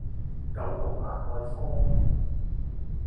九龍蘭桂坊